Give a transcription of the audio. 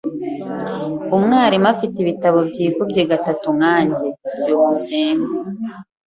Umwarimu afite ibitabo byikubye gatatu nkanjye. byukusenge